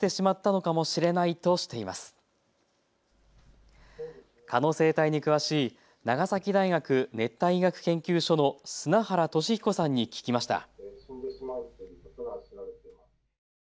蚊の生態に詳しい長崎大学熱帯医学研究所の砂原俊彦さんに聞きました。